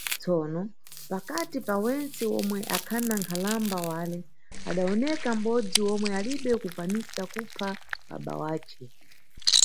Tsono, pakati pa wentse omwe akhana nkhalamba wale, adawoneka m`bodzi omwe alibe kukwanisa kupha baba wace.